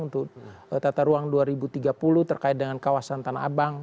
untuk tata ruang dua ribu tiga puluh terkait dengan kawasan tanah abang